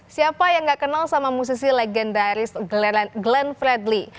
siapa yang gak kenal sama musisi legendaris glenn fredly